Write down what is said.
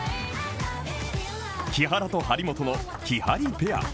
木原と張本のきはりペア。